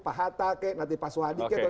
pak hatta pak suwadi kek